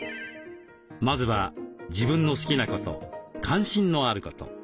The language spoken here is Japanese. まずは自分の好きなこと関心のあること。